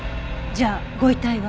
じゃあご遺体は？